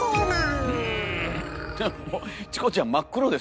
チコちゃん真っ黒ですよ